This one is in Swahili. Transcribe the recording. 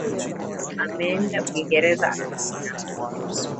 Ameenda uingereza akarudi na pesa